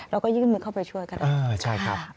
เราก็ยื่นมือเข้าไปช่วยกัน